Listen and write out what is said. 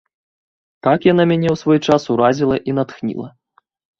Так яна мяне ў свой час уразіла і натхніла.